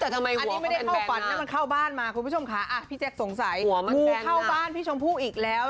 อันนี้ไม่ได้เข้าฝันนะมันเข้าบ้านมาคุณผู้ชมค่ะพี่แจ๊คสงสัยงูเข้าบ้านพี่ชมพู่อีกแล้ว